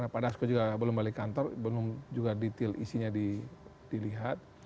pak dasko juga belum balik kantor belum juga detail isinya dilihat